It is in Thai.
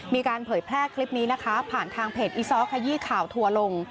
เผยแพร่คลิปนี้นะคะผ่านทางเพจอีซ้อขยี้ข่าวทัวร์ลง